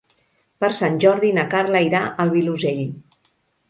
Per Sant Jordi na Carla irà al Vilosell.